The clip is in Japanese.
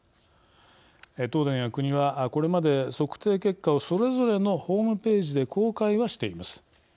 東電や国はこれまで測定結果をそれぞれのホームページで公開はしています。